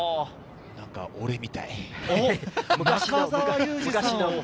なんか俺みたい。